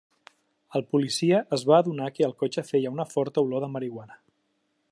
El policia es va adonar que el cotxe feia una forta olor de marihuana.